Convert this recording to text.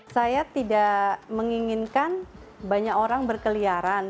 saya tidak menginginkan banyak orang berkeliaran